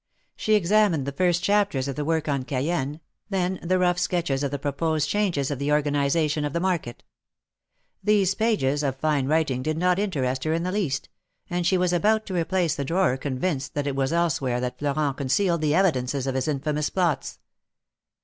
She examined the first chapters of the work on Cayenne, then the rough sketches of the proposed changes of the organization of the market. These pages of fine writing did not interest her in the least, and she was about to replace the drawer convinced that it was elsewhere that Florent concealed the evidences of his infamous plots.